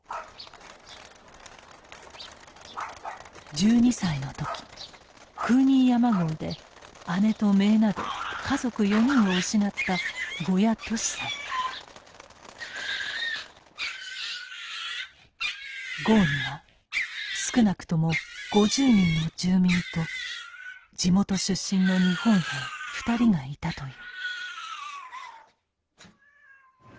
１２歳の時クーニー山壕で姉と姪など家族４人を失った壕には少なくとも５０人の住民と地元出身の日本兵２人がいたという。